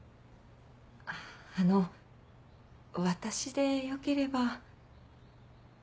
ああの私でよければ。